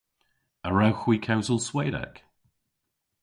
A wrewgh hwi kewsel Swedek?